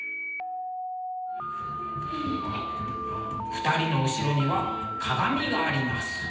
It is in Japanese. ２人の後ろには鏡があります。